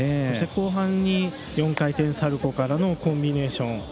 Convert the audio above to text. そして後半に４回転サルコーからのコンビネーション。